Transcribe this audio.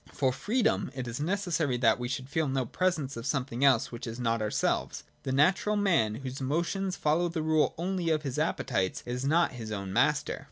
For freedom it is necessary that we should feel no presence of something else which is not ourselves. The natural man, whose motions follow the rule only of his appetites, is not his own master.